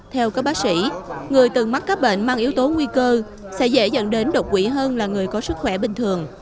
theo các bác sĩ người từng mắc các bệnh mang yếu tố nguy cơ sẽ dễ dẫn đến độc quỷ hơn là người có sức khỏe bình thường